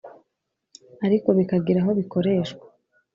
ariko bikagira aho bikoreshwa,